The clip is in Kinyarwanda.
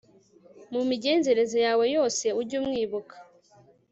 mu migenzereze yawe yose, ujye umwibuka